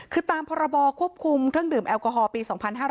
คือตามพรบควบคุมเครื่องดื่มแอลกอฮอลปี๒๕๕๙